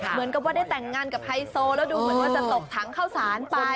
เหมือนกับว่าได้แต่งงานกับไฮโซแล้วดูเหมือนว่าจะตกถังเข้าสารไป